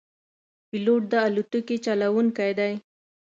پیلوټ د الوتکې چلوونکی دی.